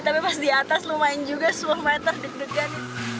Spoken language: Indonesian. tapi pas di atas lumayan juga sepuluh meter deg degan